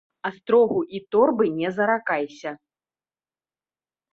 Астрогу і торбы не заракайся.